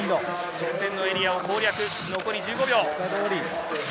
直線のエリアを攻略、残り１５秒。